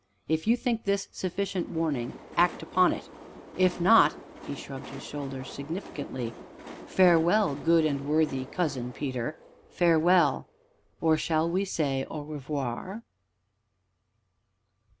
If you think this sufficient warning act upon it, if not " He shrugged his shoulders significantly. "Farewell, good and worthy Cousin Peter, farewell! or shall we say 'au revoir'?"